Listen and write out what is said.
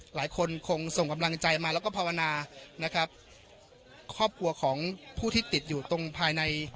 หลายคนคงส่งกำลังใจมาแล้วก็ภาวนานะครับครอบครัวของผู้ที่ติดอยู่ตรงภายใน